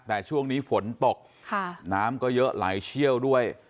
แต่ช่วงนี้ฝนตกน้ำก็เยอะไหลเชี่ยวด้วย